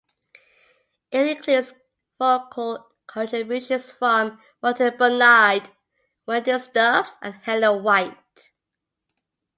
It includes vocal contributions from Martin Barnard, Wendy Stubbs, and Helen White.